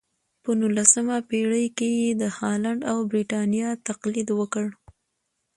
په نولسمه پېړۍ کې یې د هالنډ او برېټانیا تقلید وکړ.